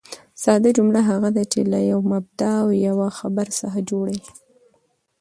ساده جمله هغه ده، چي له یوه مبتداء او یوه خبر څخه جوړه يي.